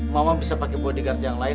mama bisa pakai bodyguard yang lain